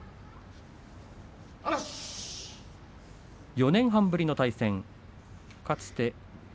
４年半ぶりの対戦です。